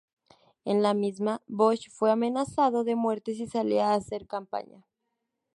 En la misma, Bosch fue amenazado de muerte si salía a hacer campaña.